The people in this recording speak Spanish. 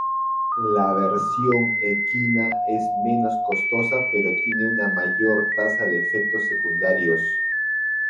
La versión equina es menos costosa pero tiene una mayor tasa de efectos secundarios.